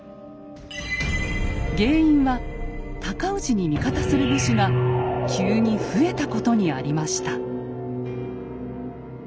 原因は尊氏に味方する武士が急に増えたことにありました。